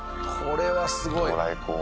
これはすごい。